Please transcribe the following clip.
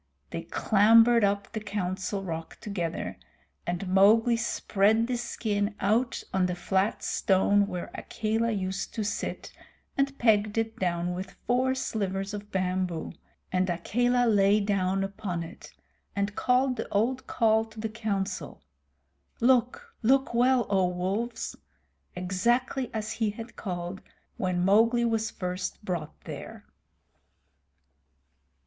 They clambered up the Council Rock together, and Mowgli spread the skin out on the flat stone where Akela used to sit, and pegged it down with four slivers of bamboo, and Akela lay down upon it, and called the old call to the Council, "Look look well, O Wolves," exactly as he had called when Mowgli was first brought there.